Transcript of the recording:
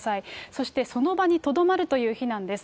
そして、その場にとどまるという避難です。